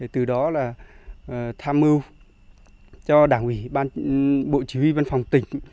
từ đó là tham mưu cho đảng ủy bộ chỉ huy văn phòng tỉnh